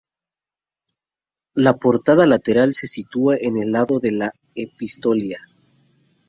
La portada lateral se sitúa en el lado de la Epístola.